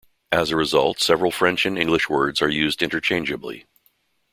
As a result several French and English words are used interchangeably.